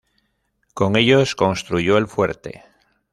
Con ellos construyó el fuerte.